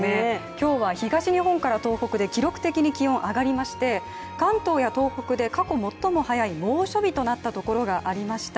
今日は東日本から東北で記録的に気温上がりまして関東や東北で過去最も早い猛暑日となったところがありました。